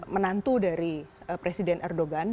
menantu dari presiden erdogan